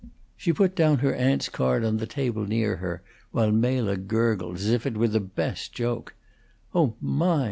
She put down her aunt's card on the table near her, while Mela gurgled, as if it were the best joke: "Oh, my!